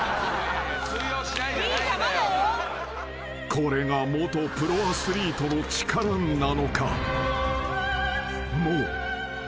［これが元プロアスリートの力なのか？］